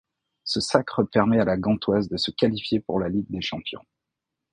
Ce sacre permet à La Gantoise de se qualifier pour la Ligue des champions.